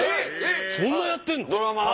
そんなやってんの！